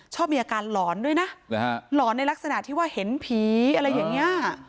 ชอบมีอาการหลอนด้วยนะหลอนในลักษณะที่ว่าเห็นผีอะไรอย่างนี้